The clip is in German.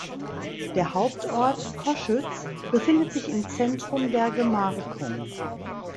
Der Hauptort Coschütz befindet sich im Zentrum der Gemarkung.